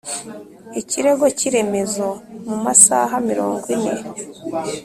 Ikirego cy iremezo mu masaha mirongo ine